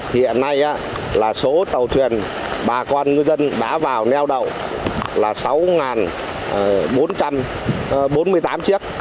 hiện nay là số tàu thuyền bà con ngư dân đã vào neo đậu là sáu bốn trăm bốn mươi tám chiếc